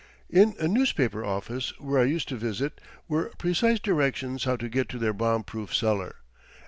In a newspaper office, where I used to visit, were precise directions how to get to their bomb proof cellar.